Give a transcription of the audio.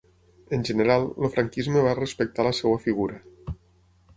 En general, el franquisme va respectar la seva figura.